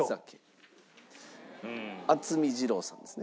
渥美二郎さんですね。